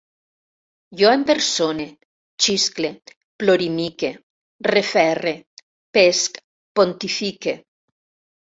Jo em persone, xiscle, plorimique, referre, pesc, pontifique